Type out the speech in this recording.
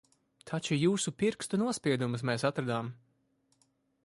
Taču jūsu pirkstu nospiedumus mēs atradām.